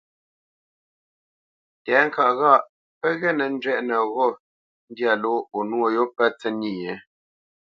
Tɛ̌ŋka ghâʼ pə́ ghê nə́ njwɛ́ʼnə ghô ndyâ ló o nwô yô pə́ tsə́nyê?